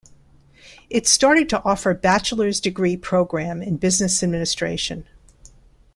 It started to offer bachelor's degree programme in Business Administration.